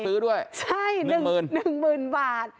ซื้อด้วยหนึ่งหมื่นบาท